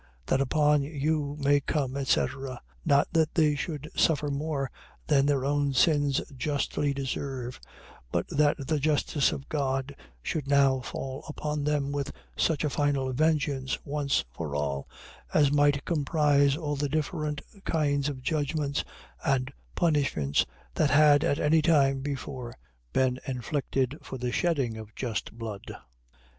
That upon you may come, etc. . .Not that they should suffer more than their own sins justly deserved; but that the justice of God should now fall upon them with such a final vengeance, once for all, as might comprise all the different kinds of judgments and punishments, that had at any time before been inflicted for the shedding of just blood.